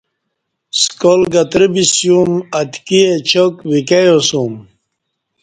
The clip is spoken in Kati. سکال گترہ بسیوم اتکی اچاک ویکہ یاسوم